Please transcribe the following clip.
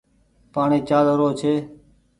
پآڻيٚ چآل رو ڇي۔